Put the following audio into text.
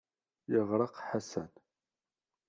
Yeɣreq Ḥasan.